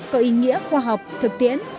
có ý nghĩa khoa học thực tiễn